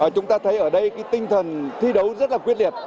chúng ta thấy ở đây cái tinh thần thi đấu rất là quyết liệt